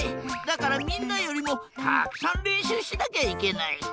だからみんなよりもたくさんれんしゅうしなきゃいけない。